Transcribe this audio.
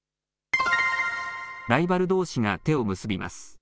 ライバルどうしが手を結びます。